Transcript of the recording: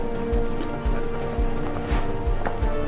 mbak elsa apa yang terjadi